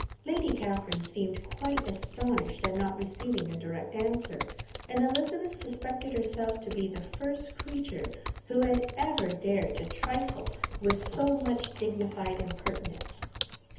Lady Catherine seemed quite astonished at not receiving a direct answer; and Elizabeth suspected herself to be the first creature who had ever dared to trifle with so much dignified impertinence.